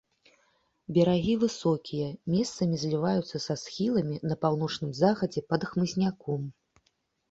Берагі высокія, месцамі зліваюцца са схіламі, на паўночным захадзе пад хмызняком.